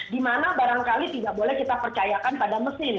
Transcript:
dimana barangkali tidak boleh kita percayakan pada mesin